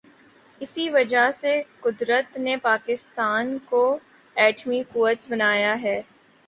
اسی وجہ سے قدرت نے پاکستان کو ایٹمی قوت بنایا ہے۔